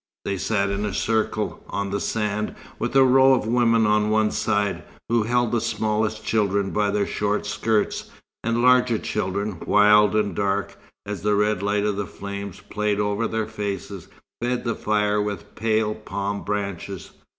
They sat in a circle, on the sand, with a row of women on one side, who held the smallest children by their short skirts; and larger children, wild and dark, as the red light of the flames played over their faces, fed the fire with pale palm branches.